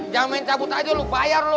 jangan main cabut aja lo bayar lo